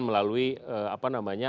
melalui apa namanya